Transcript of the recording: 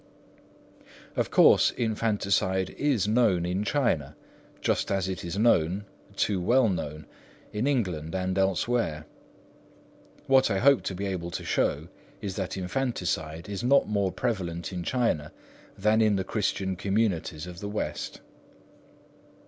Of course infanticide is known in China, just as it is known, too well known, in England and elsewhere. What I hope to be able to show is that infanticide is not more prevalent in China than in the Christian communities of the West.